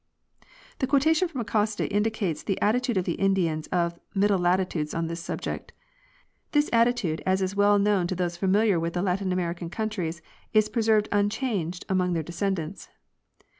* The quotation from Acosta indicates the attitude of the In dians of middle latitudes on this subject. This attitude, as is well known to those familiar with the Latin American countries, is preserved unchanged among their descendants.